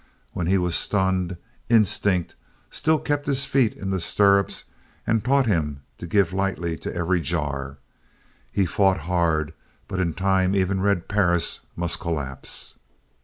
When he was stunned, instinct still kept his feet in the stirrups and taught him to give lightly to every jar. He fought hard but in time even Red Perris must collapse.